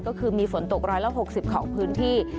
ก็คือมีฝนตก๑๖๐ของพื้นที่